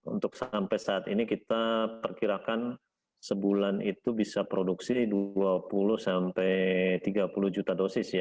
untuk sampai saat ini kita perkirakan sebulan itu bisa produksi dua puluh sampai tiga puluh juta dosis ya